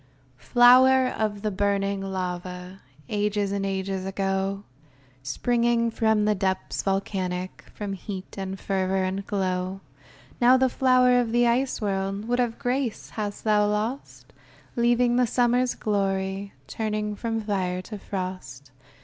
] LOWER of the burning lava Ages and ages ago Springing from depths volcanic From heat and fervor and glow, Now the flower of the ice world, What of grace hast thou lost ? Leaving the summer's glory, Turning from fire to frost.